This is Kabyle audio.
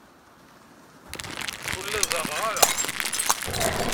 Ur la zeɛɛḍeɣ ara.